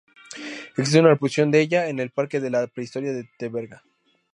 Existe una reproducción de ella en el parque de la prehistoria de Teverga.